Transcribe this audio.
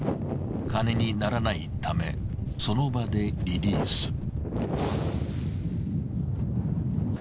金にならないためその場でリリース。